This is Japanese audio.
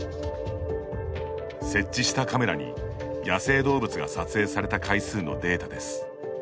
設置したカメラに、野生動物が撮影された回数のデータです。